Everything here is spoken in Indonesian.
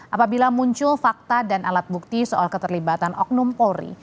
apabila muncul fakta dan alat bukti soal keterlibatan oknum polri